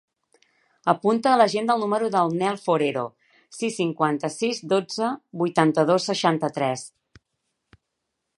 Apunta a l'agenda el número del Nel Forero: sis, cinquanta-sis, dotze, vuitanta-dos, seixanta-tres.